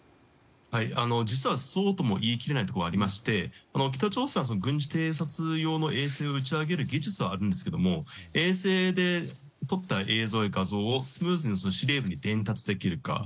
実は、そうとも言い切れない部分がありまして北朝鮮は軍事偵察用の衛星を打ち上げる技術はありますが衛星で撮った映像や画像をスムーズに司令部に伝達できるか。